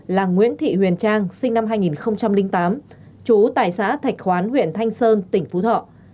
là nguyễn thị huyền trang sinh năm hai nghìn tám chú tại xã thạch khoán huyện thanh sơn tỉnh phú thọ